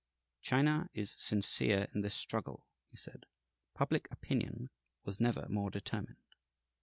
"China is sincere in this struggle," he said. "Public opinion was never more determined."